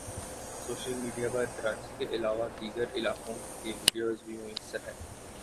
social media پر کراچی کے علاوہ دیگر علاقوں کے وڈیوز بھی میسر ہیں